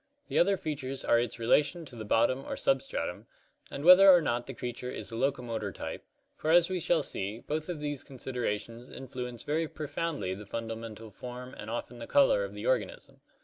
The other features are its relation to the bottom or substratum, and whether or not the creature is a locomotor type, for as we shall see, both of these considerations influence very profoundly the fundamental form and often the color of the organism.